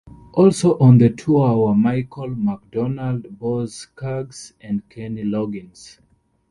Also on the tour were Michael McDonald, Boz Scaggs, and Kenny Loggins.